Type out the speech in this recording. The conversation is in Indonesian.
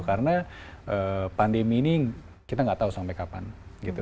karena pandemi ini kita nggak tahu sampai kapan gitu